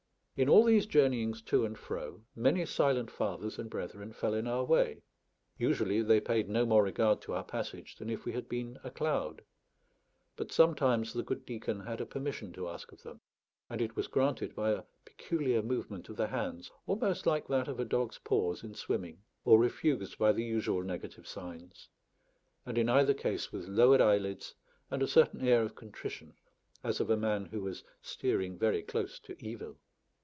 In all these journeyings to and fro, many silent fathers and brethren fell in our way. Usually they paid no more regard to our passage than if we had been a cloud; but sometimes the good deacon had a permission to ask of them, and it was granted by a peculiar movement of the hands, almost like that of a dog's paws in swimming, or refused by the usual negative signs, and in either case with lowered eyelids and a certain air of contrition, as of a man who was steering very close to evil.